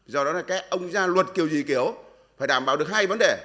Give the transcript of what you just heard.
do đó là cái ông ra luật kiểu gì kiểu phải đảm bảo được hai vấn đề